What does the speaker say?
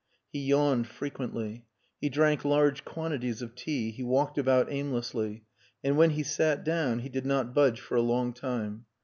He yawned frequently. He drank large quantities of tea, he walked about aimlessly, and when he sat down he did not budge for a long time.